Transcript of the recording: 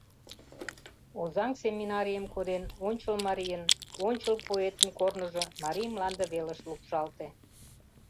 Озаҥ семинарийым коден, ончыл марийын, ончыл поэтын корныжо Марий мланде велыш лупшалте.